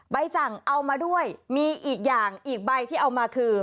ใบสั่งเอามาด้วยมีอีกอย่างอีกใบที่เอามาคือ